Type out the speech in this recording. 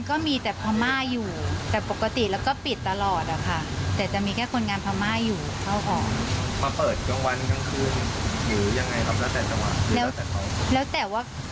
ไฟมือมันนานแล้วครับ